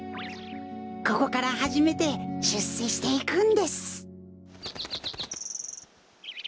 ここからはじめてしゅっせしていくんです。